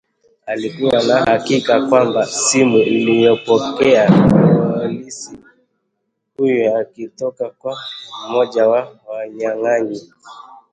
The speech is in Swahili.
Alikuwa na hakika kwamba simu aliyopokea polisi huyo ilitoka kwa mmoja wa wanyang'anyi